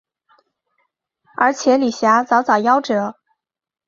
而且李遐早早夭折。